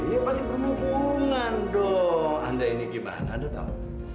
ya pasti berhubungan dong anda ini gimana anda tahu